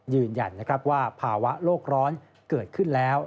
ยืนยันนะครับว่าภาวะโลกร้อนเกิดขึ้นแล้ว